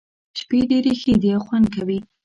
شپې ډېرې ښې دي او خوند کوي.